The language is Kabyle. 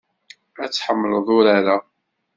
Ad tḥemmleḍ urar-a.